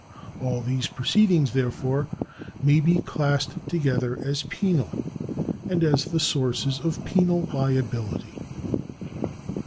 All these pro ceedings, therefore, may be classed together as penal, and as the sources of penal liability.